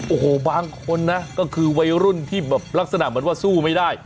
โอ้โหบางคนนะก็คือวัยรุ่นที่แบบลักษณะเหมือนว่าสู้ไม่ได้